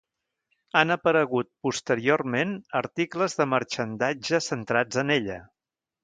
Han aparegut posteriorment articles de marxandatge centrats en ella.